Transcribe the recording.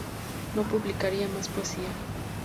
No publicaría más poesía.